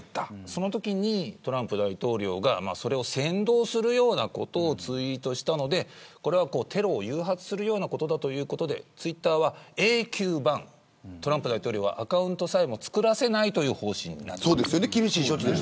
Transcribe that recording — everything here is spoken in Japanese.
そのときにトランプ大統領がそれを扇動するようなことをツイートしたのでこれはテロを誘発するようなことだということでツイッターは永久ＢＡＮトランプ大統領はアカウントさえも作らせないという方針です。